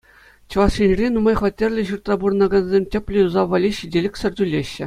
Чӑваш Енре нумай хваттерлӗ ҫуртра пурӑнакансем тӗплӗ юсав валли ҫителӗксӗр тӳлеҫҫӗ.